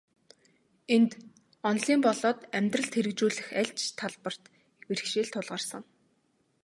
Энд, онолын болоод амьдралд хэрэгжүүлэх аль ч талбарт бэрхшээл тулгарсан.